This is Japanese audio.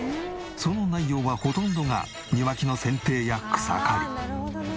その内容はほとんどが庭木の剪定や草刈り。